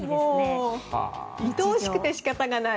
いとおしくて、仕方がない。